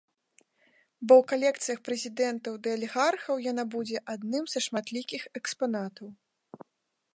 Бо ў калекцыях прэзідэнтаў ды алігархаў яна будзе адным са шматлікіх экспанатаў.